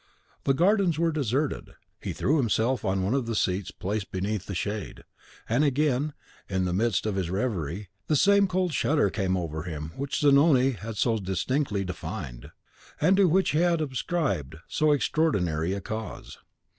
The gardens were deserted. He threw himself on one of the seats placed beneath the shade; and again, in the midst of his reverie, the same cold shudder came over him which Zanoni had so distinctly defined, and to which he had ascribed so extraordinary a cause.